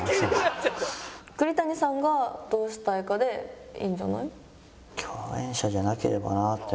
栗谷さんがどうしたいかでいいんじゃない？